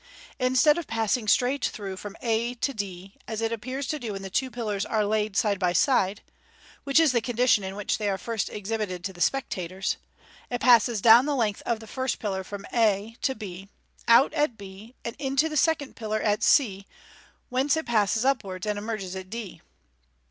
In stead of passing straight through from a to d, as it appears to do when the two pillars are laid side by side (which is the condition in which they are first exhibited to the spectators), it passes down the length of the first pillar from a to b, out at b, and into the second pillar at c, whence it passes upwards, and emerges at d.